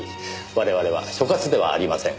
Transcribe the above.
我々は所轄ではありません。